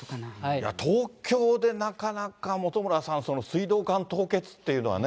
東京でなかなか、本村さん、水道管凍結っていうのはね。